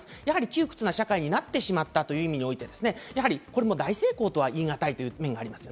窮屈な社会になってしまったという意味において、大成功とは言いがたいという面があります。